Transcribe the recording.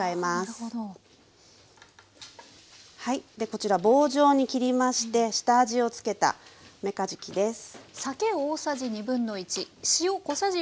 こちら棒状に切りまして下味を付けためかじきです。